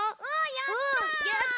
やった！